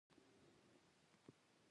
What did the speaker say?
تواب په خوبولي غږ وويل: